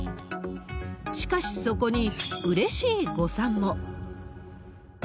しかし、そこにうれしい誤算も。